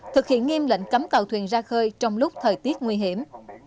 thực hiện nghiêm lệnh cấm tàu thuyền ra khơi trong lúc thời tiết nguy hiểm